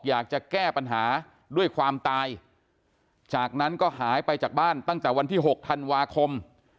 อยากจะแก้ปัญหาด้วยความตายจากนั้นก็หายไปจากบ้านตั้งแต่วันที่๖ธันวาคม